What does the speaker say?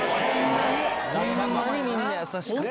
ホンマにみんな優しくて。